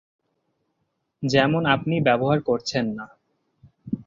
যেমন আপনি ব্যবহার করছেন না।